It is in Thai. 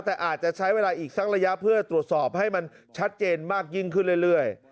แต่อาจจะใช้เวลาอีกสักระยะเพื่อตรวจสอบให้มันชัดเจนมากยิ่งขึ้นเรื่อย